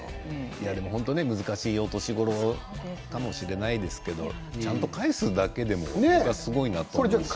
難しいお年頃かもしれないですけどちゃんと返すだけでもすごいなと思いますね。